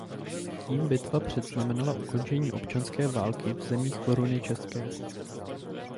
Tím bitva předznamenala ukončení občanské války v zemích Koruny české.